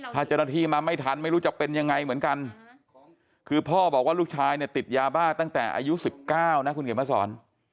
ถ้าเจ้าหน้าที่มาไม่ทันไม่รู้จะเป็นยังไงเหมือนกันคือพ่อบอกว่าลูกชายเนี่ยติดยาบ้าตั้งแต่อายุ๑๙นะคุณเขียนมาสอน